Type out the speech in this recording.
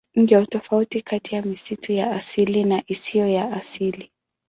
Ndiyo tofauti kati ya misitu ya asili na isiyo ya asili.